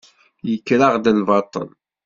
Yekker-aɣ-d baṭel.